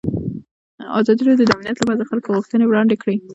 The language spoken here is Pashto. ازادي راډیو د امنیت لپاره د خلکو غوښتنې وړاندې کړي.